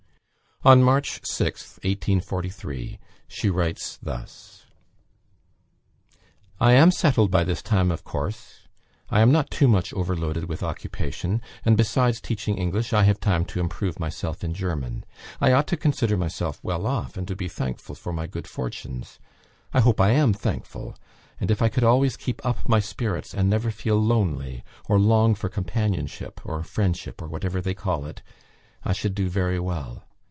On March 6th, 1843, she writes thus: "I am settled by this time, of course. I am not too much overloaded with occupation; and besides teaching English, I have time to improve myself in German. I ought to consider myself well off, and to be thankful for my good fortunes. I hope I am thankful; and if I could always keep up my spirits and never feel lonely, or long for companionship, or friendship, or whatever they call it, I should do very well.